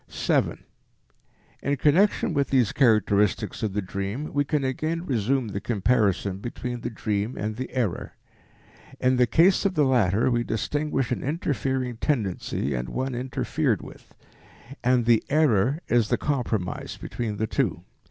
7. In connection with these characteristics of the dream we can again resume the comparison between the dream and the error. In the case of the latter we distinguish an interfering tendency and one interfered with, and the error is the compromise between the two.